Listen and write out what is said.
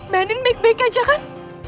banding baik baik aja kan